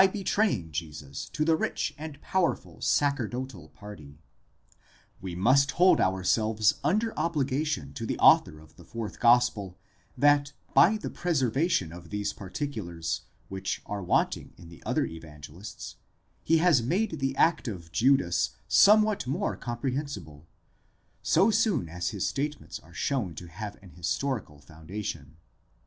betraying Jesus to the rich and powerful sacerdotal party. We must hold ourselves under obligation to the author of the fourth gospel, that by the preservation of these particulars, which are wanting in the other Evangelists, he has made the act of Judas somewhat more comprehensible,—so soon as his statements are shown to have an historical foundation.